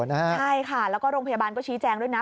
ใช่ค่ะแล้วก็โรงพยาบาลก็ชี้แจงด้วยนะ